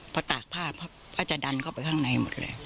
พอตากผ้าผ้าจะดันเข้าไปข้างในหมดเลย